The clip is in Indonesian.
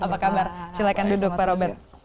apa kabar silahkan duduk pak robert